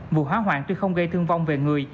vụ hỏa hoạn tuy không gây thương vong về người